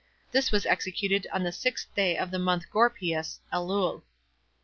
This was executed on the sixth day of the month Gorpieus [Elul].